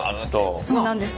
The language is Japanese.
そうなんです。